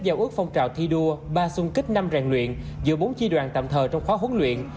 giao ước phong trào thi đua ba xuân kích năm ràng luyện giữa bốn chi đoàn tạm thờ trong khóa huấn luyện